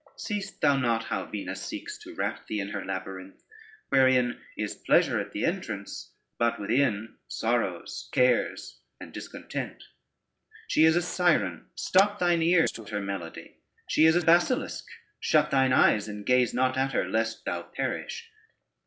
Seest thou not how Venus seeks to wrap thee in her labyrinth, wherein is pleasure at the entrance, but within, sorrows, cares, and discontent? She is a Siren, stop thine ears to her melody; she is a basilisk, shut thy eyes and gaze not at her lest thou perish.